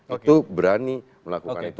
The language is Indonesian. itu berani melakukan itu